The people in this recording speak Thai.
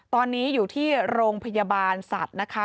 ตอนนี้อยู่ที่โรงพยาบาลสัตว์นะคะ